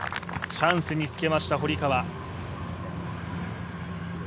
チャンスにつけました堀川。